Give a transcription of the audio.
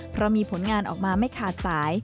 เพราะมีผลงานออกมาไม่ขาดสาย